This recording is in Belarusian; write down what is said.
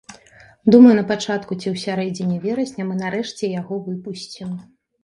Думаю, на пачатку ці ў сярэдзіне верасня мы нарэшце яго выпусцім.